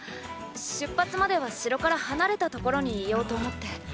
出発までは城から離れた所に居ようと思って。